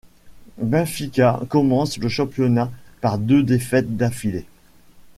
Benfica commence le championnat par deux défaites d'affilée.